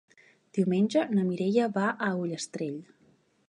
Diumenge na Mireia va a Ullastrell.